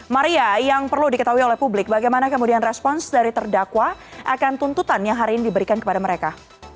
maria yang perlu diketahui oleh publik bagaimana kemudian respons dari terdakwa akan tuntutan yang hari ini diberikan kepada mereka